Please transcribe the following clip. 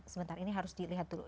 sebentar ini harus dilihat dulu